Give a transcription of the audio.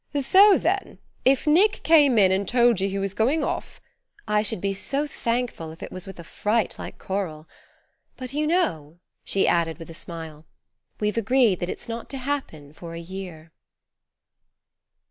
So then: if Nick came in and told you he was going off " "I should be so thankful if it was with a fright like Coral! But you know," she added with a smile, "we've agreed that it's not to happen for a year."